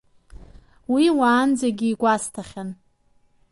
Уи уаанӡагьы игәасҭахьан.